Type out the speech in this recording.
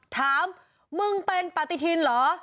ถามมึงเป็นปฏิทินเหรอ